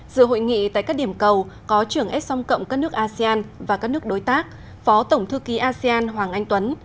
giữa hội nghị tại các điểm cầu có trưởng so s som cộng các nước asean và các nước đối tác phó tổng thư ký asean hoàng anh tuấn